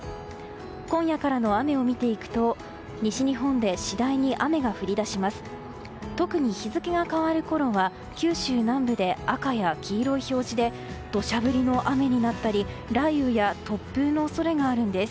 今夜からの雨を見ていくと西日本で次第に雨が降り出します。